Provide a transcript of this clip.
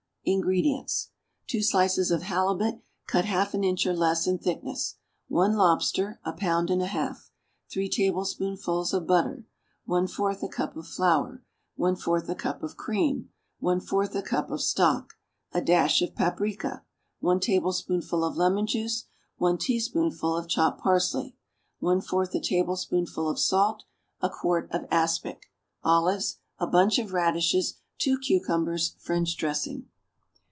= INGREDIENTS. 2 slices of halibut, cut half an inch or less in thickness. 1 lobster (a pound and a half). 3 tablespoonfuls of butter. 1/4 a cup of flour. 1/4 a cup of cream. 1/4 a cup of stock. A dash of paprica. 1 tablespoonful of lemon juice. 1 teaspoonful of chopped parsley. 1/4 a tablespoonful of salt. 1 quart of aspic. Olives. A bunch of radishes. 2 cucumbers. French dressing.